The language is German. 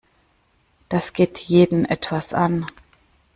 Das geht jeden etwas an.